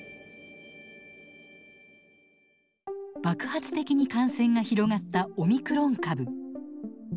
爆発的に感染が広がったオミクロン株。